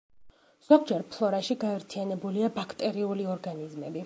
ზოგჯერ ფლორაში გაერთიანებულია ბაქტერიული ორგანიზმები.